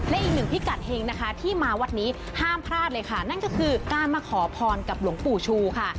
และอีกหนึ่งพิกัดเฮงนะคะที่มาวัดนี้ห้ามพลาดเลยค่ะนั่นก็คือการมาขอพรกับหลวงปู่ชูค่ะ